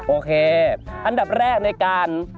โอเคอันดับแรกในการ